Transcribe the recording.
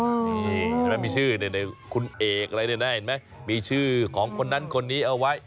นี่เห็นไหมมีชื่อคุณเอกอะไรเนี่ยนะเห็นไหมมีชื่อของคนนั้นคนนี้เอาไว้